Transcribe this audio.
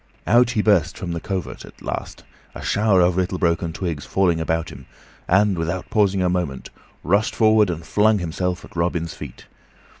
Out he burst from the covert, at last, a shower of little broken twigs falling about him, and, without pausing a moment, rushed forward and flung himself at Robin's feet.